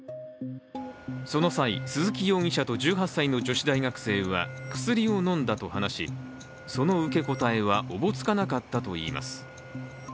その際、鈴木容疑者と１８歳の女子大学生は薬を飲んだと話し、その受け答えはおぼつかなかったといいます。